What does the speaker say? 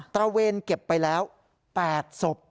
ระเวนเก็บไปแล้ว๘ศพ